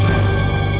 gue mau pergi ke rumah